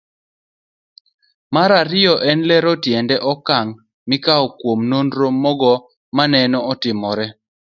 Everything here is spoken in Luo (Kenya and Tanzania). Mar ariyo en lero tiend okang' mikawo kuom nonro mogo manene otimore.